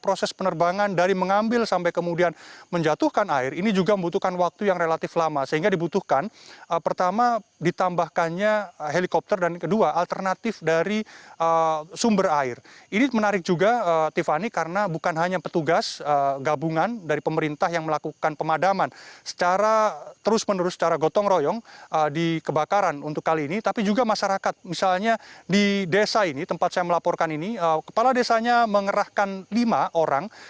proses penerbangan dari mengambil sampai kemudian menjatuhkan air ini juga membutuhkan waktu yang relatif lama sehingga dibutuhkan pertama ditambahkannya helikopter dan kedua alternatif dari sumber air ini menarik juga tiffany karena bukan hanya petugas gabungan dari pemerintah yang melakukan pemadaman secara terus menerus secara gotong royong di kebakaran untuk kali ini tapi juga masyarakat misalnya di desa ini tempat saya melaporkan ini kepala desanya mengerahkan lima orang